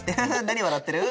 何笑ってる？